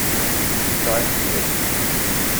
Yesεa tuyat.